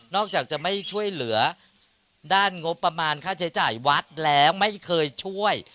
อกจากจะไม่ช่วยเหลือด้านงบประมาณค่าใช้จ่ายวัดแล้วไม่เคยช่วย